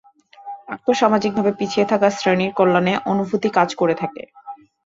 আর্থ সামাজিক ভাবে পিছিয়ে থাকা শ্রেনীর কল্যাণে অনুভূতি কাজ করে থাকে।